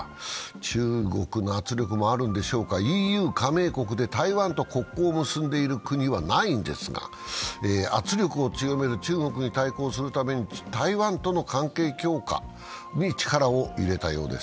中国の圧力もあるんでしょうか、ＥＵ加盟国で台湾と国交を結んでいる国はないんですが、圧力を強める中国に対抗するために台湾との関係強化に力を入れたいようです。